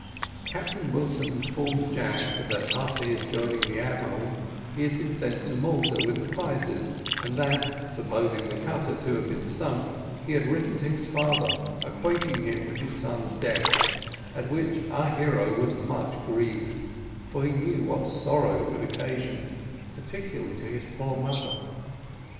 Captain Wilson informed Jack that after his joining the admiral he had been sent to Malta with the prizes, and that, supposing the cutter to have been sunk, he had written to his father, acquainting him with his son's death, at which our hero was much grieved, for he knew what sorrow it would occasion, particularly to his poor mother.